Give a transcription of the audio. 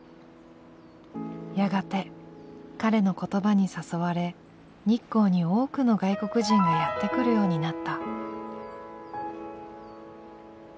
やがて彼の言葉に誘われ日光に多くの外国人がやって来るようになった。